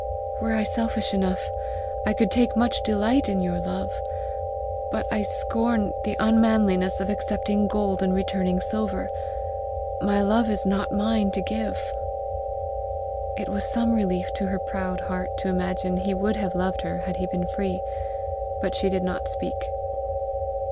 Were I selfish enough, I could take much delight in your love; but I scorn the unmanliness of accepting gold and returning silver: my love is not mine to give." It was some relief to her proud heart to imagine he would have loved her had he been free. But she did not speak.